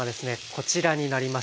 こちらになります。